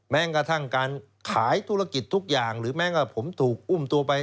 แม้กระทั่งการขายธุรกิจทุกอย่างหรือแม้กับผมถูกอุ้มตัวไป